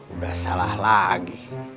udah salah lagi